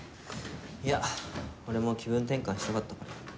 いや俺も気分転換したかったから。